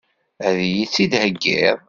Ad iyi-tt-id-theggiḍ?